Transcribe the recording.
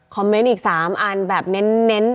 คอมเม้นต์อีก๓อ่านแบบเน้น